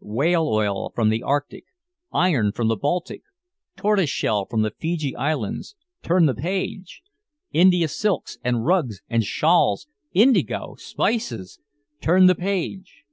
Whale oil from the Arctic, iron from the Baltic, tortoise shell from the Fiji Islands. Turn the page! India silks and rugs and shawls, indigo, spices! Turn the page!